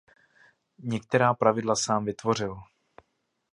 Některá pravidla sám vytvořil.